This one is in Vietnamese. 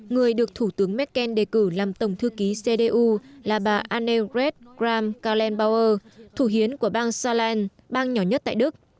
người được thủ tướng merkel đề cử làm tổng thư ký cdu là bà annegret kramp karlenbauer thủ hiến của bang salen bang nhỏ nhất tại đức